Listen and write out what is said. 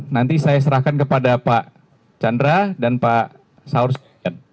nanti saya serahkan kepada pak chandra dan pak saur syariat